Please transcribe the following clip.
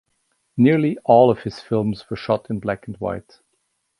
Nearly all of his films were shot in black-and-white.